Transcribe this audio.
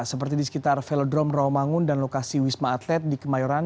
seperti di sekitar velodrome rawamangun dan lokasi wisma atlet di kemayoran